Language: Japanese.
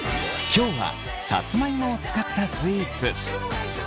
今日はさつまいもを使ったスイーツ。